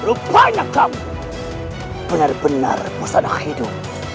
rupanya kamu benar benar masalah hidup